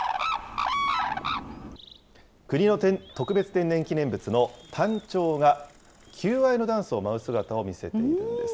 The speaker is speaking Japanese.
国の特別天然記念物のタンチョウが求愛のダンスを舞う姿を見せています。